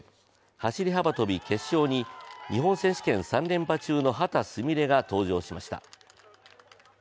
走り幅跳び決勝に日本選手権３連覇中の秦澄美鈴が登場しました。